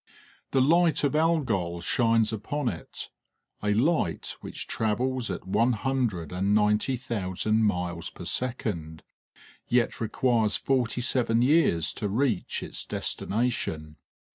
The light of Algol shines upon it a light which travels at one hundred and ninety thousand miles per second, yet requires forty seven years to reach its destination.